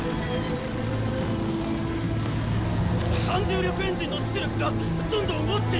反重力エンジンの出力がどんどん落ちています！